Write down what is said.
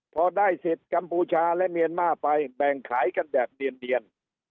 พอได้สิทธิ์กัมพูชาและเมียนมาร์ไปแบ่งขายกันแบบเดียน